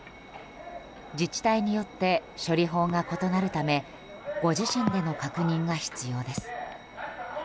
自治体によって処理法が異なるためご自身での確認が必要です。